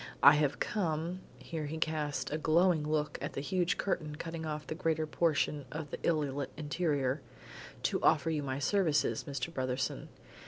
I have come " here he cast a glowing look at the huge curtain cutting off the greater portion of the illy lit interior "to offer you my services, Mr. Brotherson.